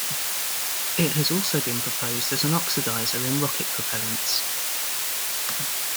It has also been proposed as an oxidizer in rocket propellants.